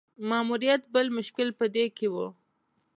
ماموریت بل مشکل په دې کې وو.